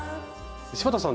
柴田さん